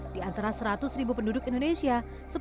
di antara seratus ribu penduduk indonesia